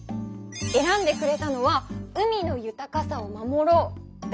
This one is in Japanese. えらんでくれたのは「海の豊かさを守ろう」だね！